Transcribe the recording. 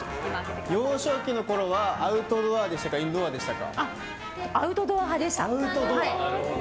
幼少期のころはアウトドアでしたかアウトドア派でした。